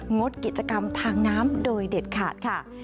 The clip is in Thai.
งดกิจกรรมทางน้ำโดยเด็ดขาดค่ะ